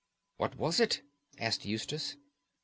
"What was it?" asked Eustace.